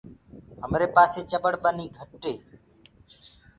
همري پآسي چڀڙ ٻني گھٽ هي۔